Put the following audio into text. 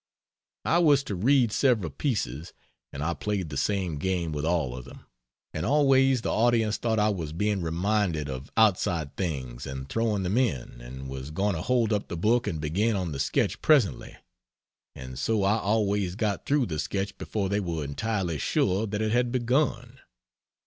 I was to read several pieces, and I played the same game with all of them, and always the audience thought I was being reminded of outside things and throwing them in, and was going to hold up the book and begin on the sketch presently and so I always got through the sketch before they were entirely sure that it had begun.